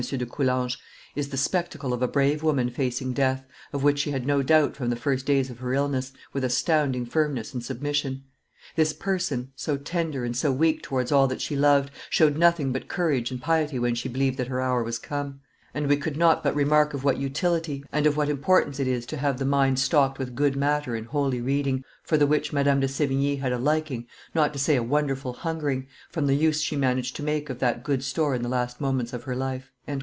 de Coulanges, "is the spectacle of a brave woman facing death, of which she had no doubt from the first days of her illness, with astounding firmness and submission. This person, so tender and so weak towards all that she loved, showed nothing but courage and piety when she believed that her hour was come; and we could not but remark of what utility and of what importance it is to have the mind stocked with good matter and holy reading, for the which Madame de Sevigne had a liking, not to say a wonderful hungering, from the use she managed to make of that good store in the last moments of her life."